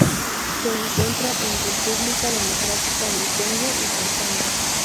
Se encuentra en República Democrática del Congo y Tanzania